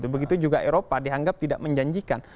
begitu juga eropa dianggap tidak menjanjikan